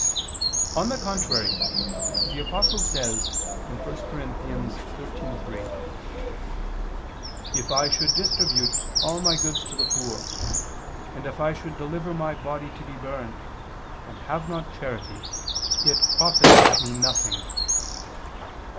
On the contrary, The Apostle says (1 Cor. 13:3): "If I should distribute all my goods to the poor, and if I should deliver my body to be burned, and have not charity, it profiteth me nothing."